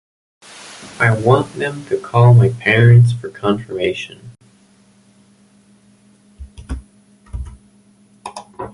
I want them to call my parents for confirmation.